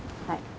はい。